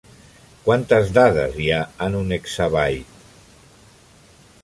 Quantes dades hi ha en un exabyte?